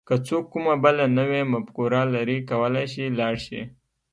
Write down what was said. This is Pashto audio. که څوک کومه بله نوې مفکوره لري کولای شي لاړ شي.